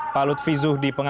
pak lutfi zuhdi pengasas